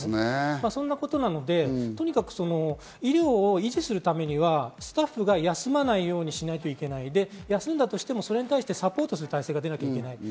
そんなことなので、とにかく医療を維持するためにはスタッフが休まないようにしなければいけないので、休んだとしてもそれに対してサポートする体制がなければいけない。